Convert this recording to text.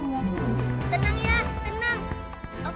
hei mana yang sedih lagi mana